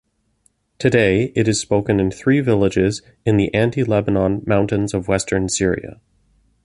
Today, it is spoken in three villages in the Anti-Lebanon Mountains of western Syria.